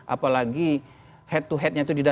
apalagi head to headnya itu tidak